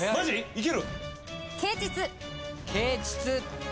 いける？